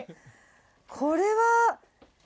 これは？